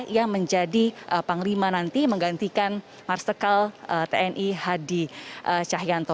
yang menjadi panglima nanti menggantikan marsikal tni hadi cahyanto